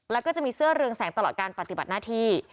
แล้วก็จะมีเสื้อเรืองแสงตลอดการปฏิบัติหน้าที่